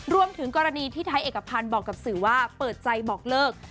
รวมถึงกรณีที่ไทยเอกพันธ์บอกกับสื่อว่าเปิดใจบอกเลิก